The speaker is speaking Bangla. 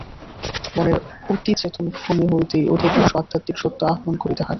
মনের অতিচেতন ভূমি হইতেই অধিকাংশ আধ্যাত্মিক সত্য আহরণ করিতে হয়।